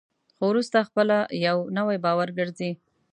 خو وروسته خپله یو نوی باور ګرځي.